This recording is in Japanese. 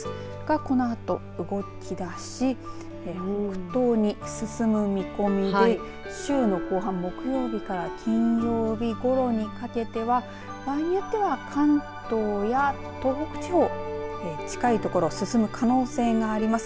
このあと動き出し、北東に進む見込みで週の後半木曜日から金曜日ごろにかけては場合によっては関東や東北地方近いところを進む可能性があります。